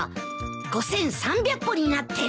５，３００歩になってる。